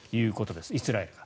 イスラエルが。